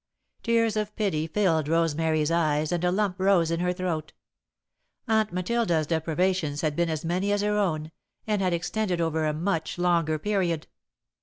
Tears of pity filled Rosemary's eyes and a lump rose in her throat. Aunt Matilda's deprivations had been as many as her own, and had extended over a much longer period.